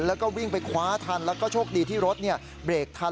แล้วก็วิ่งไปคว้าทันแล้วก็โชคดีที่รถเบรกทัน